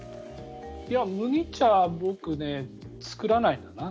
麦茶僕、作らないんだな。